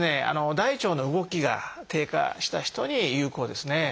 大腸の動きが低下した人に有効ですね。